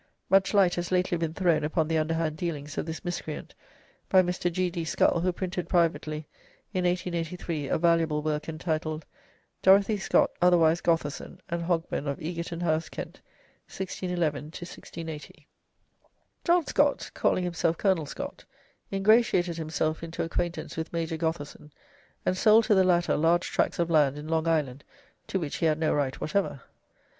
Much light has lately been thrown upon the underhand dealings of this miscreant by Mr. G. D. Scull, who printed privately in 1883 a valuable work entitled, "Dorothea Scott, otherwise Gotherson, and Hogben of Egerton House, Kent, 1611 1680." John Scott (calling himself Colonel Scott) ingratiated himself into acquaintance with Major Gotherson, and sold to the latter large tracts of land in Long Island, to which he had no right whatever.